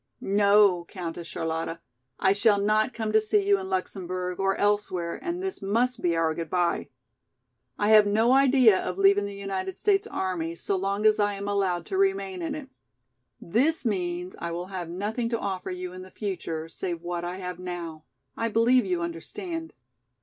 "No, Countess Charlotta, I shall not come to see you in Luxemburg or elsewhere and this must be our goodby. I have no idea of leaving the United States army so long as I am allowed to remain in it. This means I will have nothing to offer you in the future, save what I have now, I believe you understand."